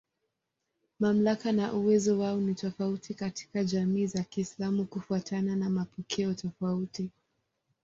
Mamlaka na uwezo wao ni tofauti katika jamii za Kiislamu kufuatana na mapokeo tofauti.